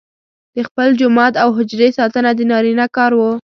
د خپل جومات او حجرې ساتنه د نارینه کار وو.